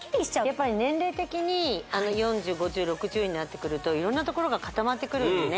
やっぱり年齢的に４０５０６０になってくると色んなところが固まってくるんでね